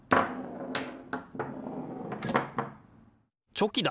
チョキだ！